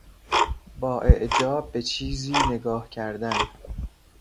با اعجاب به چیزی نگاه کردن